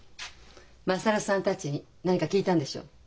優さんたちに何か聞いたんでしょう？